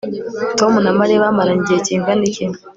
Tom na Mariya bamaranye igihe kingana iki